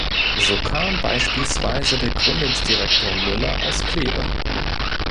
So kam beispielsweise der Gründungsdirektor Müller aus Kleve.